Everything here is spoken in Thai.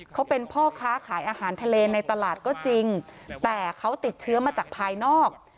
เขาเป็นพ่อค้าขายอาหารทะเลในตลาดก็จริงแต่เขาติดเชื้อมาจากภายนอก